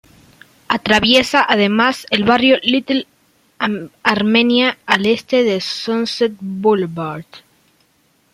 Atraviesa además el barrio Little Armenia al este de Sunset Boulevard.